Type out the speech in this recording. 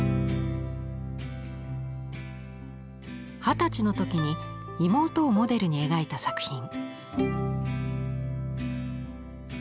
二十歳の時に妹をモデルに描いた作品。